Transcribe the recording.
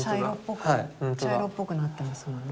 茶色っぽくなってますもんね。